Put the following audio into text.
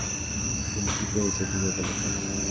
Municipio de Cedillo de la Torre.